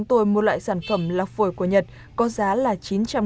tức là nó lọc những cái sát